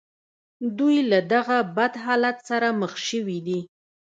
دوی له دغه بد حالت سره مخ شوي دي